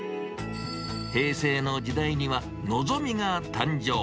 平成の時代には、のぞみが誕生。